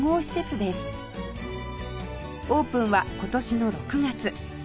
オープンは今年の６月